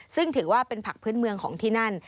ซึ่งถือว่าเป็นผักพื้นเมืองของที่นั่น